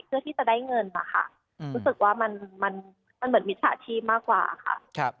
เพื่อที่จะได้เงินนะคะรู้สึกว่ามันมันเหมือนมิจฉาชีพมากกว่าค่ะ